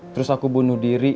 terus aku bunuh diri